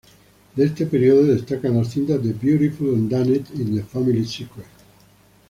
De este período destacan las cintas "The Beautiful and Damned" y "The Family Secret".